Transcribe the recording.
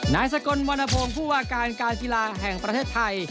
นายสกลวรรณพงศ์ผู้ว่าการการกีฬาแห่งประเทศไทย